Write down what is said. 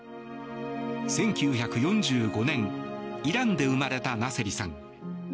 １９４５年イランで生まれたナセリさん。